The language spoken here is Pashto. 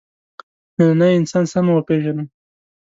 نننی انسان سمه وپېژنو.